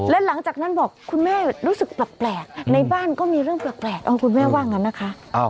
และหลังจากนั้นบอกคุณแม่รู้สึกแปลกในบ้านก็มีเรื่องแปลกคุณแม่ว่างั้นนะคะ